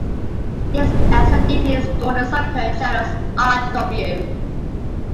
This extra data is stored in subcode channels R-W.